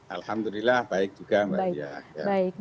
alhamdulillah baik juga mbak lia